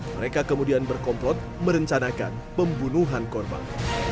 mereka kemudian berkomplot merencanakan pembunuhan korban